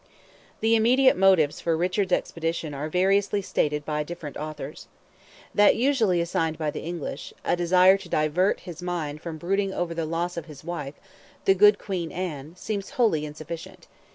The immediate motives for Richard's expedition are variously stated by different authors. That usually assigned by the English—a desire to divert his mind from brooding over the loss of his wife, "the good Queen Anne," seems wholly insufficient.